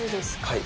はい。